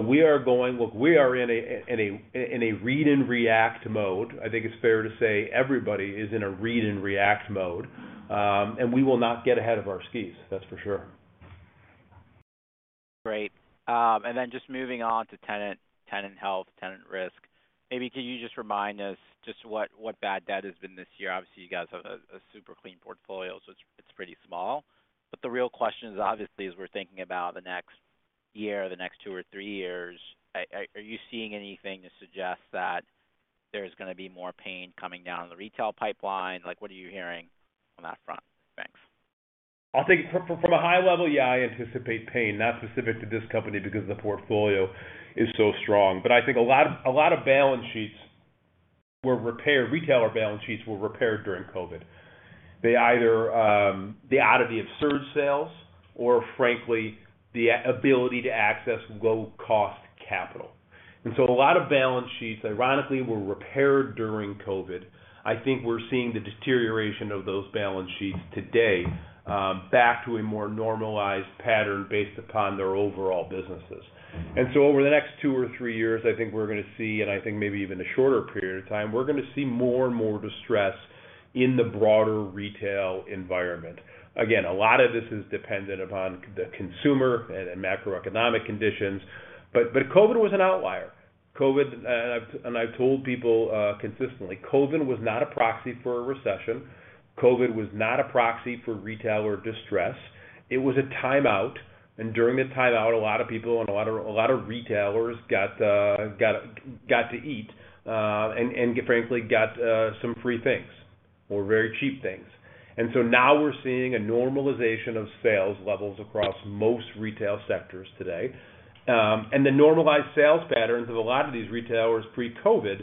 We are going. Look, we are in a read-and-react mode. I think it's fair to say everybody is in a read-and-react mode. We will not get ahead of our skis, that's for sure. Great. And then just moving on to tenant health, tenant risk. Maybe can you just remind us just what bad debt has been this year? Obviously, you guys have a super clean portfolio, so it's pretty small. But the real question is, obviously, as we're thinking about the next year or the next two or three years, are you seeing anything to suggest that there's gonna be more pain coming down in the retail pipeline? Like, what are you hearing on that front? Thanks. I think from a high level, yeah, I anticipate pain, not specific to this company because the portfolio is so strong. I think a lot of retailer balance sheets were repaired during COVID. They either the outpour of absurd sales or frankly, the ability to access low-cost capital. A lot of balance sheets, ironically, were repaired during COVID. I think we're seeing the deterioration of those balance sheets today, back to a more normalized pattern based upon their overall businesses. Over the next two or three years, I think we're gonna see, and I think maybe even a shorter period of time, we're gonna see more and more distress in the broader retail environment. Again, a lot of this is dependent upon the consumer and macroeconomic conditions, but COVID was an outlier. I've told people consistently, COVID was not a proxy for a recession. COVID was not a proxy for retailer distress. It was a timeout. During the timeout, a lot of people and a lot of retailers got to eat, and frankly, got some free things. Or very cheap things. Now we're seeing a normalization of sales levels across most retail sectors today. The normalized sales patterns of a lot of these retailers pre-COVID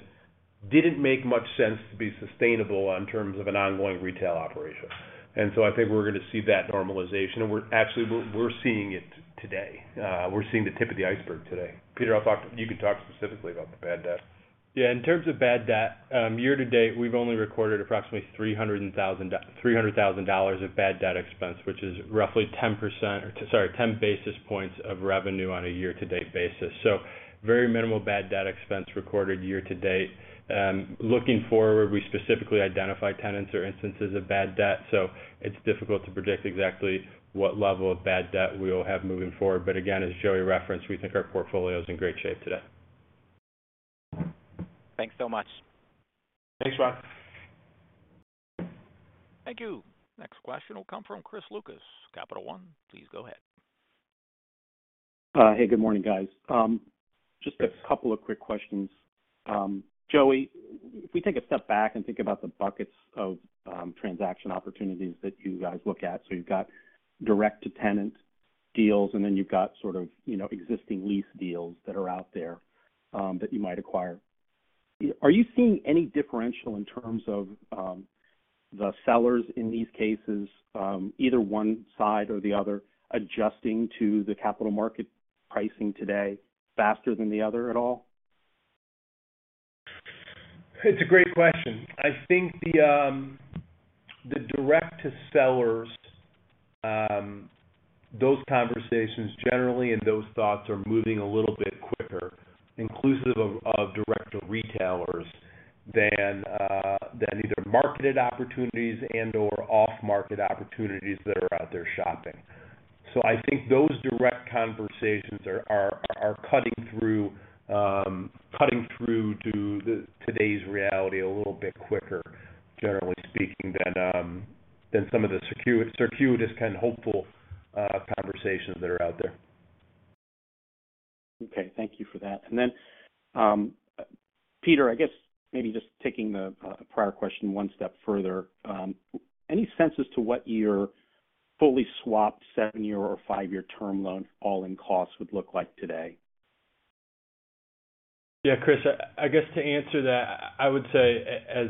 didn't make much sense to be sustainable in terms of an ongoing retail operation. I think we're gonna see that normalization. Actually we're seeing it today. We're seeing the tip of the iceberg today. Peter, you can talk specifically about the bad debt. Yeah. In terms of bad debt, year-to-date, we've only recorded approximately $300 thousand of bad debt expense, which is roughly 10 basis points of revenue on a year-to-date basis. Very minimal bad debt expense recorded year-to-date. Looking forward, we specifically identify tenants or instances of bad debt, so it's difficult to predict exactly what level of bad debt we'll have moving forward. Again, as Joey referenced, we think our portfolio is in great shape today. Thanks so much. Thanks, Ron. Thank you. Next question will come from Chris Lucas, Capital One. Please go ahead. Hey, good morning, guys. Just a couple of quick questions. Joey, if we take a step back and think about the buckets of transaction opportunities that you guys look at, so you've got direct-to-tenant deals, and then you've got sort of, you know, existing lease deals that are out there that you might acquire. Are you seeing any differential in terms of the sellers in these cases, either one side or the other, adjusting to the capital market pricing today faster than the other at all? It's a great question. I think the direct-to-sellers, those conversations generally and those thoughts are moving a little bit quicker, inclusive of direct-to-retailers than either marketed opportunities and/or off-market opportunities that are out there shopping. I think those direct conversations are cutting through to the today's reality a little bit quicker, generally speaking, than some of the circuitous kind of hopeful conversations that are out there. Okay. Thank you for that. Peter, I guess maybe just taking the prior question one step further, any sense as to what your fully swapped seven-year or five-year term loan all-in costs would look like today? Yeah, Chris, I guess to answer that, I would say as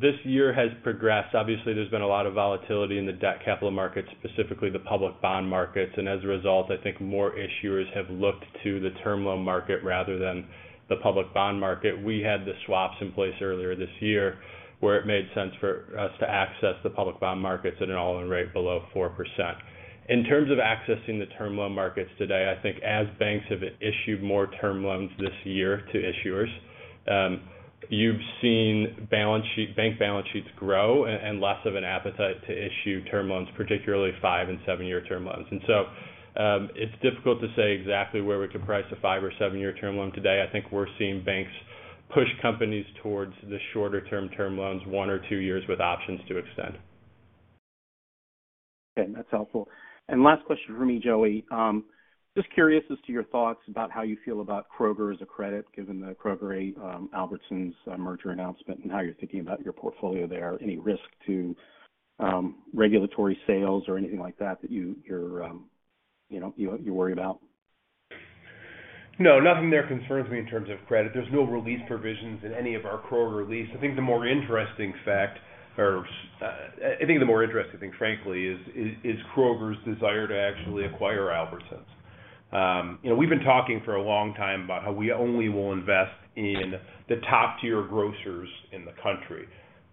this year has progressed, obviously there's been a lot of volatility in the debt capital markets, specifically the public bond markets, and as a result, I think more issuers have looked to the term loan market rather than the public bond market. We had the swaps in place earlier this year where it made sense for us to access the public bond markets at an all-in rate below 4%. In terms of accessing the term loan markets today, I think as banks have issued more term loans this year to issuers, you've seen bank balance sheets grow and less of an appetite to issue term loans, particularly five- and seven-year term loans. It's difficult to say exactly where we could price a five- or seven-year term loan today. I think we're seeing banks push companies towards the shorter-term term loans, one or two years with options to extend. Okay, that's helpful. Last question from me, Joey. Just curious as to your thoughts about how you feel about Kroger as a credit, given the Kroger, Albertsons merger announcement and how you're thinking about your portfolio there. Any risk to regulatory sales or anything like that you know you worry about? No, nothing there concerns me in terms of credit. There's no release provisions in any of our Kroger lease. I think the more interesting thing, frankly, is Kroger's desire to actually acquire Albertsons. You know, we've been talking for a long time about how we only will invest in the top tier grocers in the country.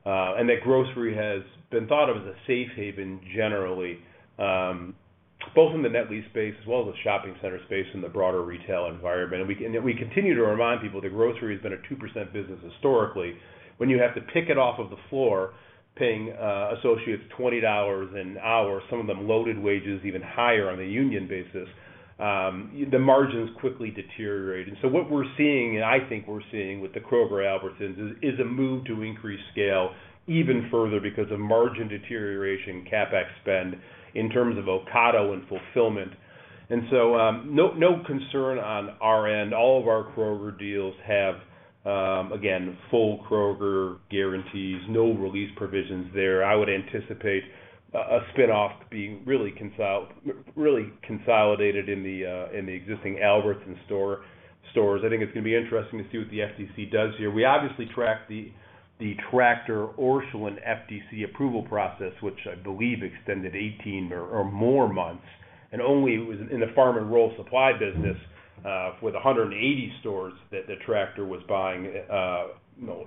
That grocery has been thought of as a safe haven generally, both in the net lease space as well as the shopping center space in the broader retail environment. We continue to remind people that grocery has been a 2% business historically. When you have to pick it off of the floor, paying associates $20 an hour, some of them loaded wages even higher on a union basis, the margins quickly deteriorate. What we're seeing, and I think we're seeing with the Kroger Albertsons, is a move to increase scale even further because of margin deterioration, CapEx spend in terms of Ocado and fulfillment. No concern on our end. All of our Kroger deals have, again, full Kroger guarantees, no release provisions there. I would anticipate a spin-off being really consolidated in the existing Albertsons stores. I think it's gonna be interesting to see what the FTC does here. We obviously tracked the Tractor Supply-Orscheln FTC approval process, which I believe extended 18 or more months, and only was in the farm and rural supply business, with 180 stores that the Tractor Supply was buying,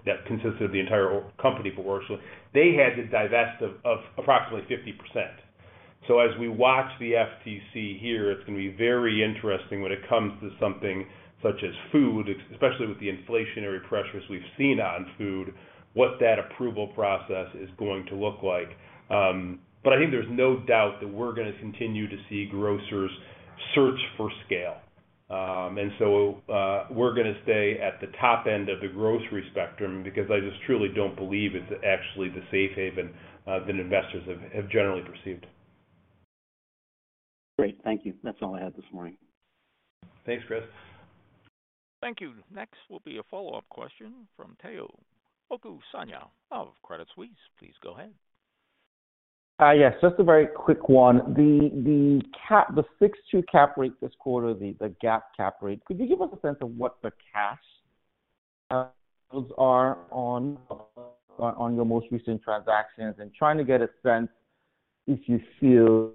that consisted of the entire company for Orscheln. They had to divest of approximately 50%. As we watch the FTC here, it's gonna be very interesting when it comes to something such as food, especially with the inflationary pressures we've seen on food, what that approval process is going to look like. I think there's no doubt that we're gonna continue to see grocers search for scale. We're gonna stay at the top end of the grocery spectrum because I just truly don't believe it's actually the safe haven that investors have generally perceived. Great. Thank you. That's all I had this morning. Thanks, Chris. Thank you. Next will be a follow-up question from Tayo Okusanya of Credit Suisse. Please go ahead. Yes, just a very quick one. The 6.2 cap rate this quarter, the GAAP cap rate. Could you give us a sense of what the cash yields are on your most recent transactions and trying to get a sense if you feel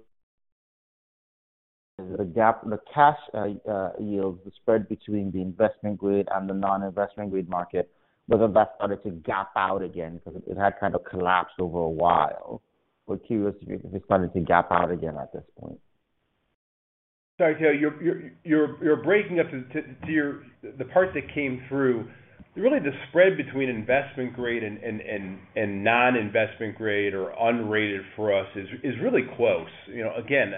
the gap, the cash yield spread between the investment grade and non-investment grade market, whether that started to gap out again because it had kind of collapsed over a while. We're curious if it started to gap out again at this point. Sorry, Tayo. You're breaking up. The part that came through, really the spread between investment grade and non-investment grade or unrated for us is really close. You know, again,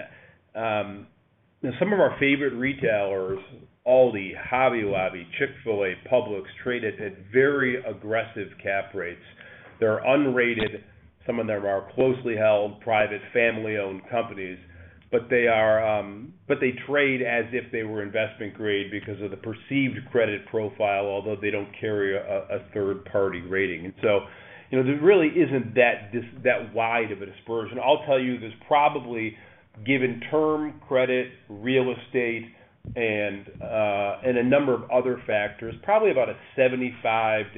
some of our favorite retailers, Aldi, Hobby Lobby, Chick-fil-A, Publix, trade at very aggressive cap rates. They're unrated. Some of them are closely held, private, family-owned companies. They trade as if they were investment grade because of the perceived credit profile, although they don't carry a third-party rating. You know, there really isn't that wide of a dispersion. I'll tell you there's probably given the current credit, real estate and a number of other factors, probably about a 75-85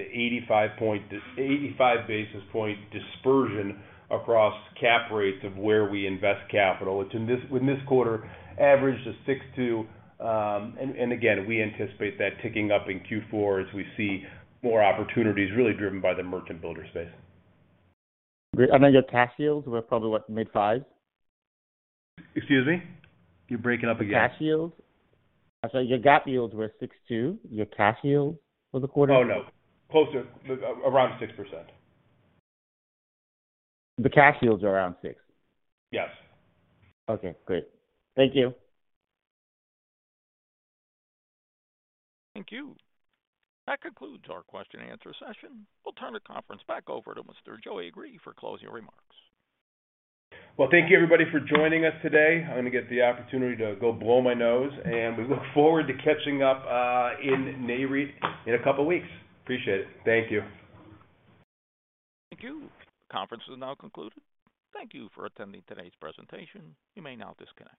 basis point dispersion across cap rates of where we invest capital, which this quarter averaged a 6.2%. Again, we anticipate that ticking up in Q4 as we see more opportunities really driven by the merchant builder space. Great. Your cash yields were probably what? Mid fives? Excuse me? You're breaking up again. The cash yields. I'm sorry. Your GAAP yields were 6.2%. Your cash yields for the quarter. Oh, no. Closer, around 6%. The cash yields are around 6%? Yes. Okay, great. Thank you. Thank you. That concludes our question and answer session. We'll turn the conference back over to Mr. Joey Agree for closing remarks. Well, thank you, everybody, for joining us today. I'm gonna get the opportunity to go blow my nose, and we look forward to catching up in Nareit in a couple weeks. Appreciate it. Thank you. Thank you. Conference is now concluded. Thank you for attending today's presentation. You may now disconnect.